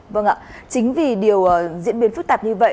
vâng ạ chính vì điều diễn biến phức tạp như vậy